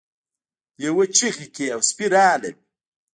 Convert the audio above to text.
لیوه چیغې کړې او سپي راغلل.